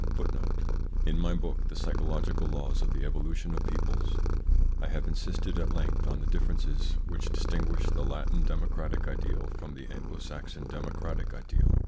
In my book, "The Psychological Laws of the Evolution of Peoples," I have insisted at length on the differences which distinguish the Latin democratic ideal from the Anglo Saxon democratic ideal.